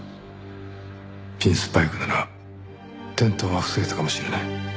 ピンスパイクなら転倒は防げたかもしれない。